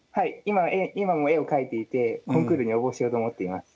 今も絵を描いていてコンクールに応募しようと思っています。